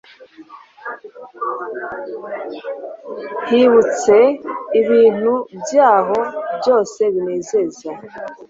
hibutse ibintu byaho byose binezeza